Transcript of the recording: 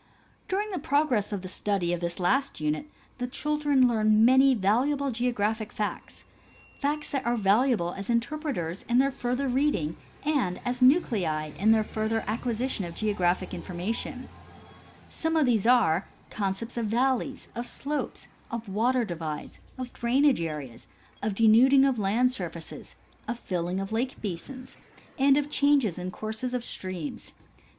During the progress of the study of this last unit the children learn many valuable geographic facts, facts that are valuable as interpreters in their further reading and as nuclei in their fur ther acquisition of geographic information. vSome of these are . 20— Nat. Geog. Mag , vol. V, 1893. 146 W. B. Powell — Geograpliic Instruction. concepts of valleys, of slopes, of water divides, of drainage areas, of denuding of land surfaces, of filling of lake basins, and of changes in courses of streams.